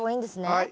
はい。